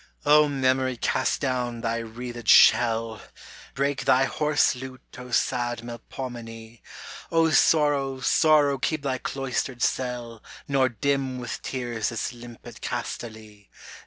O Memory cast down thy wreathed shell ! Break thy hoarse lute O sad Melpomene ! O Sorrow, Sorrow keep thy cloistered cell Nor dim with tears this limpid Castaly